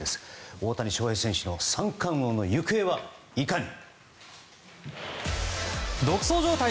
大谷翔平選手の三冠王の行方はいかに。